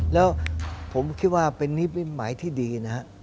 แล้วผมคิดว่าเป็นนิมิตหมายที่ดีนะฮะ